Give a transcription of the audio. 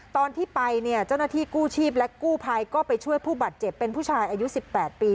ตอนที่ไปเนี่ยเจ้าหน้าที่กู้ชีพและกู้ภัยก็ไปช่วยผู้บาดเจ็บเป็นผู้ชายอายุ๑๘ปี